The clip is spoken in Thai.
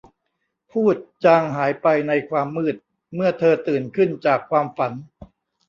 ภูติจางหายไปในความมืดเมื่อเธอตื่นขึ้นจากความฝัน